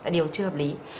điều chưa hợp lý